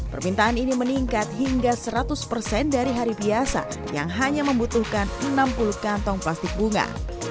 permintaan ini meningkat hingga seratus persen dari hari biasa yang hanya membutuhkan enam puluh kantong plastik bunga